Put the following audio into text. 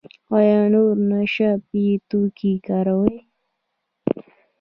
ایا نور نشه یي توکي کاروئ؟